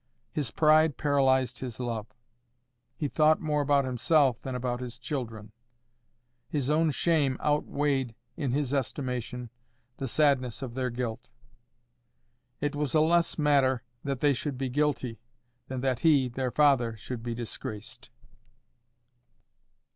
His pride paralysed his love. He thought more about himself than about his children. His own shame outweighed in his estimation the sadness of their guilt. It was a less matter that they should be guilty, than that he, their father, should be disgraced.